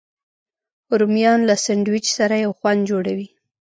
رومیان له سنډویچ سره یو خوند جوړوي